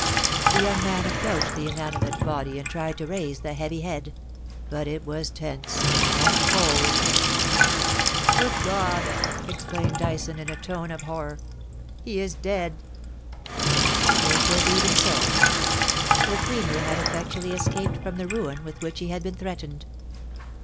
The young man approached the inanimate body and tried to raise the heavy head, but it was tense and cold. *CIood God I' exclaimed Dyson, in a tone of horror. * He is dead !' 428 POLICY AND PASSION. It was even so. The Premier had effectually escaped from the ruin with which he had been threatened.